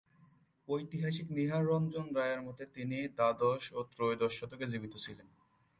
ঐতিহাসিক নীহাররঞ্জন রায়ের মতে তিনি দ্বাদশ বা ত্রয়োদশ শতকে জীবিত ছিলেন।